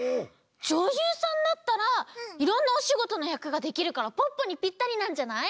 じょゆうさんだったらいろんなおしごとのやくができるからポッポにピッタリなんじゃない？